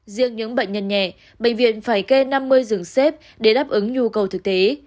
riêng những bệnh nhân nhẹ bệnh viện phải kê năm mươi giường xếp để đáp ứng nhu cầu thực tế